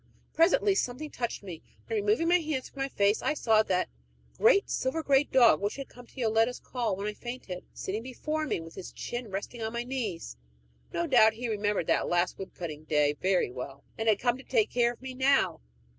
Presently something touched me, and, removing my hands from my face, I saw that great silver gray dog which had come to Yoletta's call when I fainted, sitting before me with his chin resting on my knees. No doubt he remembered that last wood cutting day very well, and had come to take care of me now.